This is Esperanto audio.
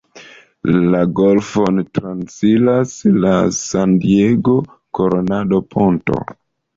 La golfon transiras la San-Diego–Coronado Ponto.